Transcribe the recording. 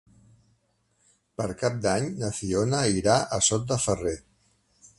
Per Cap d'Any na Fiona irà a Sot de Ferrer.